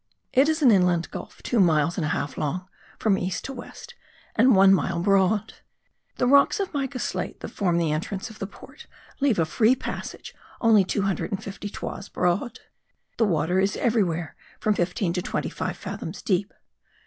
It is an inland gulf two miles and a half long from east to west, and one mile broad. The rocks of mica slate that form the entrance of the port leave a free passage only two hundred and fifty toises broad. The water is everywhere from fifteen to twenty five fathoms deep.